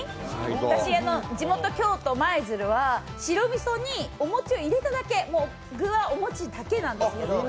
私、地元、京都・舞鶴は白みそにお餅を入れただけ、もう具はお餅だけなんです。